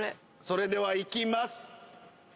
それではいきます